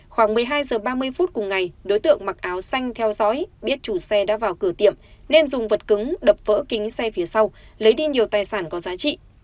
khoảng một mươi hai h ba mươi phút cùng ngày đối tượng mặc áo xanh theo dõi biết chủ xe đã vào cửa tiệm nên dùng vật cứng đập vỡ kính xe phía sau lấy đi nhiều tài sản có giá trị